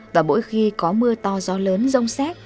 và mỗi khi có mưa to gió lớn rông xét